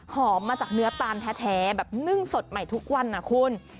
มาจากเนื้อตาลแท้แบบนึ่งสดใหม่ทุกวันนะคุณ